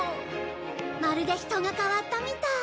まるで人が変わったみたい。